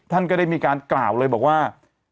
ท่านก็ได้มีการกล่าวเลยบอกว่า